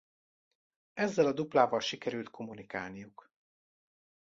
Ezzel a duplával sikerül kommunikálniuk.